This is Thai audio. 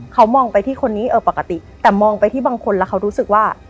เขามองไปที่คนนี้เออปกติแต่มองไปที่บางคนแล้วเขารู้สึกว่า